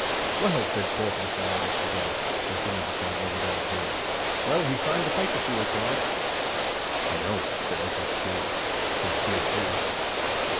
"Well!" said Porthos and Aramis together, as soon as the cardinal was out of hearing, "well, he signed the paper she required!" "I know it," said Athos, coolly, "since here it is."